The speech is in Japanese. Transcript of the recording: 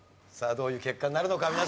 さあどういう結果になるのか？